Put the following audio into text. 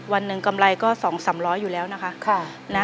วันหนึ่งกำไรก็สองสามร้อยอยู่แล้วนะคะ